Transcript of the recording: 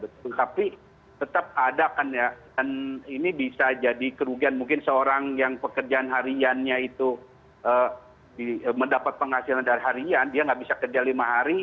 tapi tetap ada kan ya dan ini bisa jadi kerugian mungkin seorang yang pekerjaan hariannya itu mendapat penghasilan dari harian dia nggak bisa kerja lima hari